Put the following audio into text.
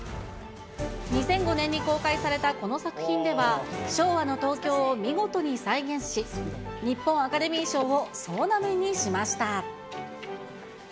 ２００５年に公開されたこの作品では、昭和の東京を見事に再現し、日本アカデミー賞を総なめにしました。